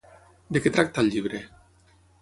De què tracta el llibre?